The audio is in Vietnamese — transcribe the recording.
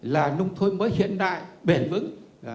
là nông thôn mới hiện đại bền vững